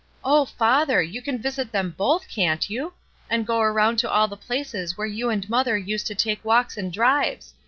''Oh, father! you can visit them both, can't you? And go around to all the places where you and mother used to take walks and drives.